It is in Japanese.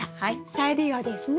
再利用ですね。